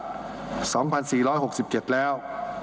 สองพันสี่ร้อยหกสิบเจ็ดแล้ว